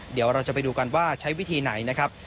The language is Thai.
เดี๋ยวเราจะไปดูกันว่าใช้วิธีไหนนะครับ